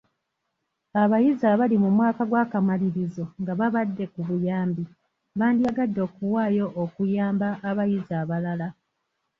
Abayizi abali mu mwaka gw'akamalirizo nga babadde ku buyambi bandiyagadde okuwaayo okuyamba abayizi abalala.